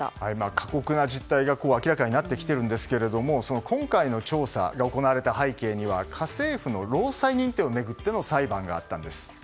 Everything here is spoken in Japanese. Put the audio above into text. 過酷な実態が明らかになってきているんですが今回の調査が行われた背景には家政婦の労災認定を巡っての裁判があったんです。